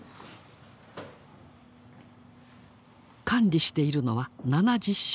管理しているのは７０種。